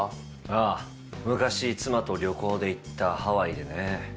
ああ昔妻と旅行で行ったハワイでね。